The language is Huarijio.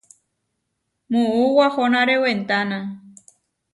Muú wahonáre wentána.